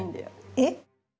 えっ？